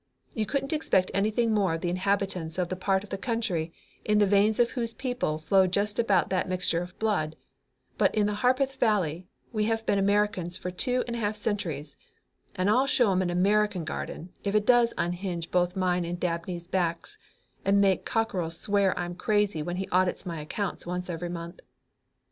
You couldn't expect anything more of the inhabitants of the part of the country in the veins of whose people flow just about that mixture of blood, but in the Harpeth Valley we have been Americans for two and a half centuries, and I'll show 'em an American garden if it does unhinge both mine and Dabney's backs and make Cockrell swear I'm crazy when he audits my accounts once every month.